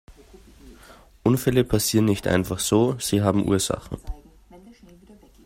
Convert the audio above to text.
Unfälle passieren nicht einfach so, sie haben Ursachen.